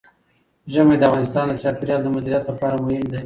ژمی د افغانستان د چاپیریال د مدیریت لپاره مهم دي.